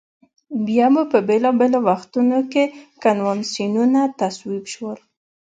بیا په بېلا بېلو وختونو کې کنوانسیونونه تصویب شول.